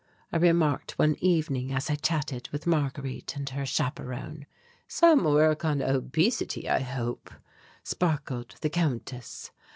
I remarked one evening, as I chatted with Marguerite and her chaperone. "Some work on obesity, I hope," sparkled the Countess.